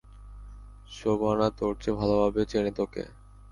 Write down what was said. শোবানা তোর চেয়ে ভালোভাবে চেনে তোকে।